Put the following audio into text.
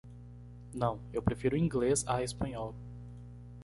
Não, eu prefiro Inglês à Espanhol.